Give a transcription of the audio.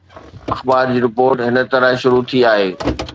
اخبار جي رپورٽ هن طرح شروع ٿي آهي